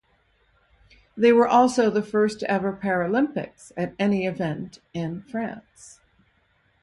They were also the first ever Paralympics at any event in France.